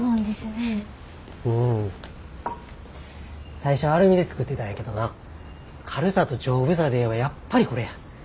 最初はアルミで作ってたんやけどな軽さと丈夫さで言えばやっぱりこれや。